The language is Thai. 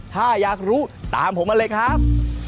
ถ้าอยากรู้ตามผมมาเลยครับ